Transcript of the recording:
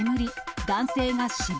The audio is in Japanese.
男性が死亡。